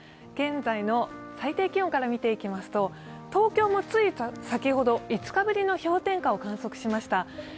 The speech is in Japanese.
現在の最低気温から見ていきますと、東京もつき先ほど５日ぶりの氷点下を観測しました。